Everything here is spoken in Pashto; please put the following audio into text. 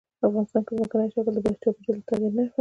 افغانستان کې ځمکنی شکل د چاپېریال د تغیر نښه ده.